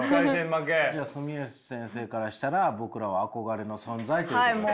じゃあ住吉先生からしたら僕らは憧れの存在ということですね。